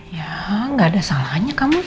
ya gak ada salahnya